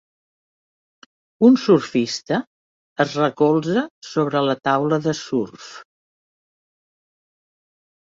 Un surfista es recolza sobre la taula de surf.